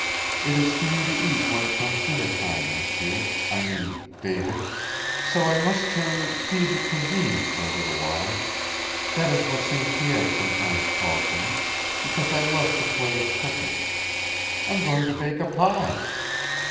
It is for you to eat when it comes dinner time, m'sieu I mean David. So I must turn fille de cuisine for a little while. That is what St. Pierre sometimes calls me, because I love to play at cooking. I am going to bake a pie!"